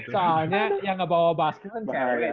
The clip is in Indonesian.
soalnya yang gak bawa basket kan kewe